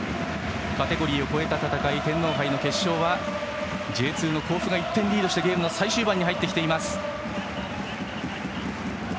カテゴリーを越えた戦い天皇杯の決勝はＪ２の甲府が１点リードしてゲームは最終盤。